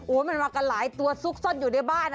มันมากันหลายตัวซุกซ่อนอยู่ในบ้าน